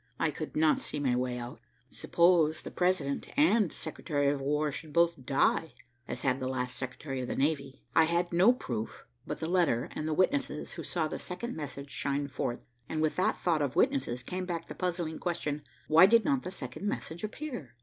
I could not see my way out. "Suppose the President and Secretary of War should both die, as had the last Secretary of the Navy!" I had no proof but the letter and the witnesses who saw the second message shine forth, and with that thought of witnesses came back the puzzling question, "Why did not the second message appear?"